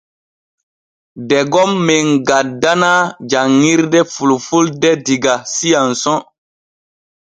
Degon men gaddanaa janŋirde fulfulde diga S'ANSON.